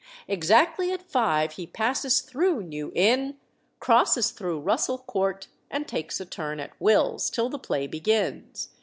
"Exactly at five he passes through New Inn, crosses through Russell Court, and takes a turn at Wills's till the play begins.